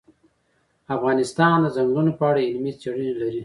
افغانستان د ځنګلونه په اړه علمي څېړنې لري.